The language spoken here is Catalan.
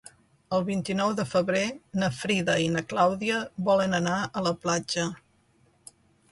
El vint-i-nou de febrer na Frida i na Clàudia volen anar a la platja.